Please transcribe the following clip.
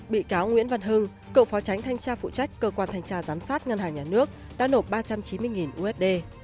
bị cáo nguyễn văn hưng cựu phó tránh thanh tra phụ trách cơ quan thanh tra giám sát ngân hàng nhà nước đã nộp ba trăm chín mươi usd